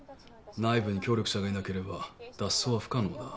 内部に協力者がいなければ脱走は不可能だ。